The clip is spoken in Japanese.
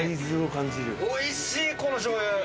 おいしい、この醤油。